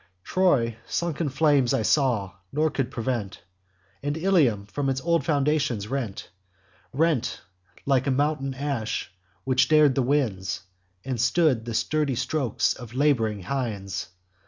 Troy sunk in flames I saw, nor could prevent; And Ilium from its old foundations rent; Rent like a mountain ash, which dar'd the winds, And stood the sturdy strokes of lab'ring hinds.